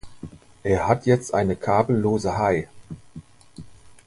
Er hat jetzt eine kabellose Hei